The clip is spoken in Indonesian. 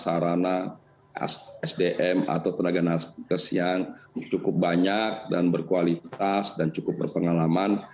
sarana sdm atau tenaga naskes yang cukup banyak dan berkualitas dan cukup berpengalaman